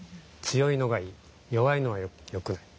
強いのがいい弱いのはよくない。